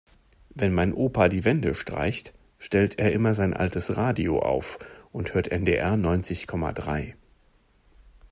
Wenn mein Opa die Wände streicht, stellt er immer sein altes Radio auf und hört NDR neunzig Komma drei.